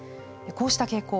こうした傾向